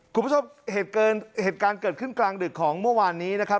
คุณผู้ชมเหตุการณ์เกิดขึ้นกลางดึกของเมื่อวานนี้นะครับ